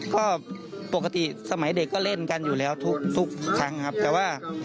ก็ปกติสมัยเด็กก็เล่นกันอยู่แล้วทุกครั้งครับแต่ว่า